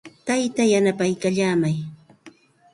Taytaa yanapaykallaamay.